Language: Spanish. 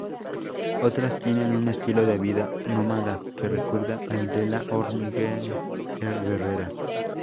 Otras tienen un estilo de vida nómada que recuerda al de la hormiga guerrera.